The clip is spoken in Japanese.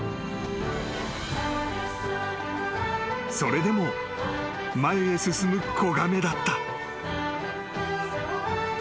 ［それでも前へ進む子亀だった］